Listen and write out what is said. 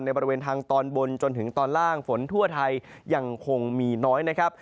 บริเวณทางตอนบนจนถึงตอนล่างฝนทั่วไทยยังคงมีน้อยนะครับ